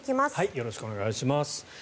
よろしくお願いします。